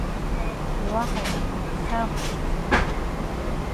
Уаҳагьы дхьамԥшӡеит.